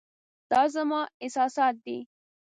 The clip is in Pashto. دا زما احساسات دي .